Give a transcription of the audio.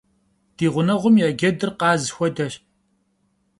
Di ğuneğum ya cedır khaz xuedeş.